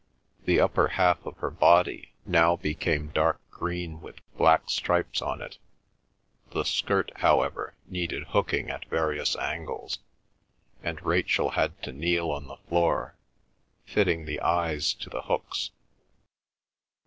The upper half of her body now became dark green with black stripes on it; the skirt, however, needed hooking at various angles, and Rachel had to kneel on the floor, fitting the eyes to the hooks.